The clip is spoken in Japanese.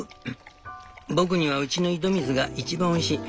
僕にはうちの井戸水が一番おいしい。